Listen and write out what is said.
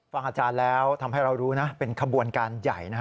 ฟังอาจารย์แล้วทำให้เรารู้นะเป็นขบวนการใหญ่นะฮะ